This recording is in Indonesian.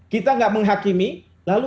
kita nggak menghakimi lalu